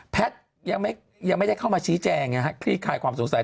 แพทย์ยังไม่ได้เข้ามาชี้แจงคลี่คลายความสงสัย